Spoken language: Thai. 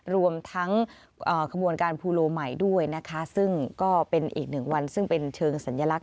รวมทั้งขบวนการภูโลใหม่ด้วยนะคะซึ่งก็เป็นอีกหนึ่งวันซึ่งเป็นเชิงสัญลักษ